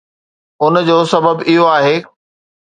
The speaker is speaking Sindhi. ان جو سبب اهو آهي